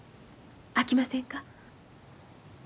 あきませんか？